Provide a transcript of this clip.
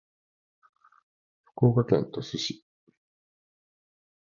福岡県鳥栖市